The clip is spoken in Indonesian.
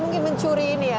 mungkin mencuri ini ya